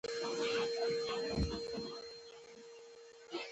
ګولۍ يې د خسروخان سلګونو خيمو ته ور رسېدای شوای.